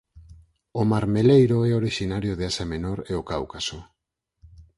O marmeleiro é orixinario de Asia Menor e o Cáucaso.